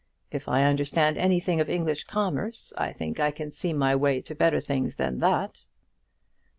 If I understand anything of English commerce, I think I can see my way to better things than that."